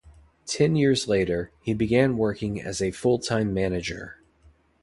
Ten years later, he began working as a full-time manager.